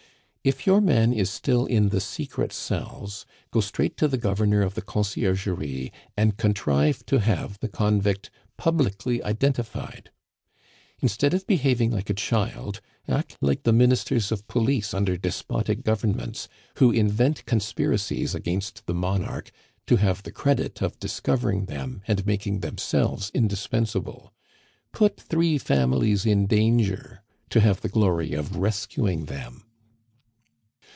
If your man is still in the secret cells, go straight to the Governor of the Conciergerie and contrive to have the convict publicly identified. Instead of behaving like a child, act like the ministers of police under despotic governments, who invent conspiracies against the monarch to have the credit of discovering them and making themselves indispensable. Put three families in danger to have the glory of rescuing them."